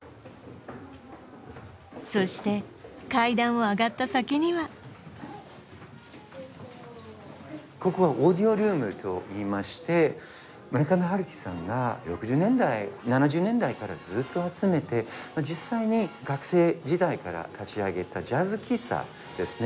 そして階段を上がった先にはここはオーディオルームといいまして村上春樹さんが６０年代７０年代からずっと集めて実際に学生時代から立ち上げたジャズ喫茶ですね